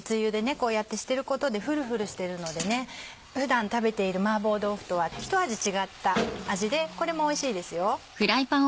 こうやってしてることでフルフルしてるので普段食べている麻婆豆腐とは一味違った味でこれもおいしいですよ。